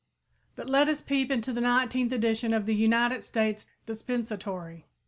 But let us peep into the 19th edition of the United States Dispensatory.